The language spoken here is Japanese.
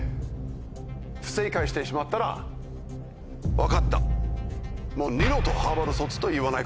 分かった。